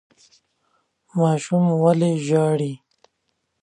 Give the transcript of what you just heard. ماشوم ولې ژاړي ؟